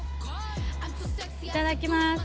いただきます。